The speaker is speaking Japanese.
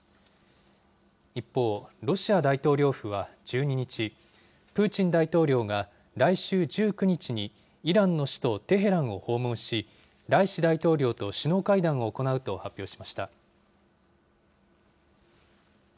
一方、ロシア大統領府は１２日、プーチン大統領が来週１９日に、イランの首都テヘランを訪問し、ライシ大統領と首脳会談を行うと発表しました。